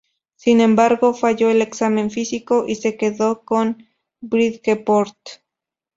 Sin embargo, falló el examen físico y se quedó con "Bridgeport".